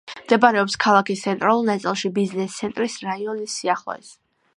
მდებარეობს ქალაქის ცენტრალურ ნაწილში, ბიზნეს ცენტრის რაიონის სიახლოვეს.